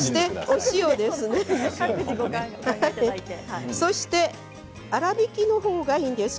お塩です。